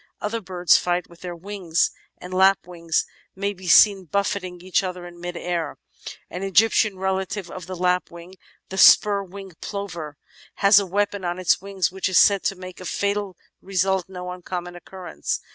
Other birds fight with their wings, and lapwings may be seen buffeting each other in mid air; an Egyptian relative of the Lapwing, the Spur winged Plover, has a weapon on its wings which is said to make a fatal result no uncommon occurrence.